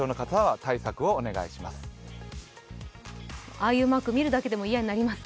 ああいうマーク、見るだけでも嫌になりますか？